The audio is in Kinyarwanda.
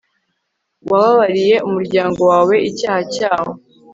wababariye umuryango wawe icyaha cyawo